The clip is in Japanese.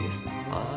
ああ。